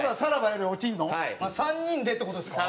３人でって事ですか？